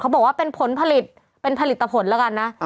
บอกว่าเป็นผลผลิตเป็นผลิตผลแล้วกันนะ